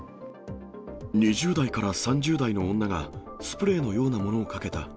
２０代から３０代の女が、スプレーのようなものをかけた。